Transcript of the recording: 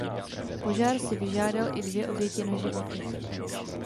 Požár si vyžádal i dvě oběti na životech.